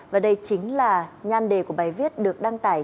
và đây chính là nhan đề của bài viết được đăng tải